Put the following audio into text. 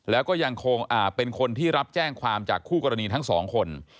และเป็นคนที่ยังรับแจ้งความจากคู่กรณีทั้งสองคน